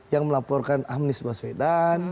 yang melaporkan amnis baswedan